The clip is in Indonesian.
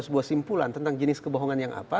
sebuah simpulan tentang jenis kebohongan yang apa